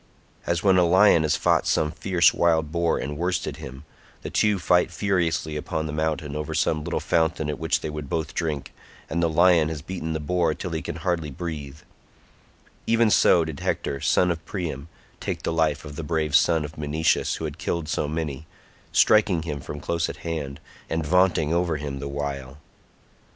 As when a lion has fought some fierce wild boar and worsted him—the two fight furiously upon the mountains over some little fountain at which they would both drink, and the lion has beaten the boar till he can hardly breathe—even so did Hector son of Priam take the life of the brave son of Menoetius who had killed so many, striking him from close at hand, and vaunting over him the while.